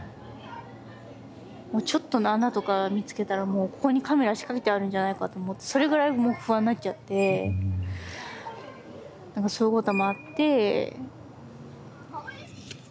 もうちょっとの穴とか見つけたらもうここにカメラ仕掛けてあるんじゃないかと思ってそれぐらいもう不安になっちゃってそういうこともあって。